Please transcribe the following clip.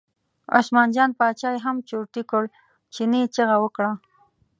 عثمان جان باچا یې هم چرتي کړ، چیني چغه وکړه.